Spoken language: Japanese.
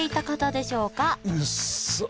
うっそ！